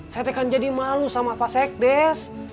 saya tekang jadi malu sama pak sekadar